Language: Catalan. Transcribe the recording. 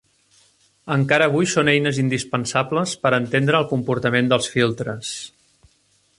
Encara avui són eines indispensables per entendre el comportament dels filtres.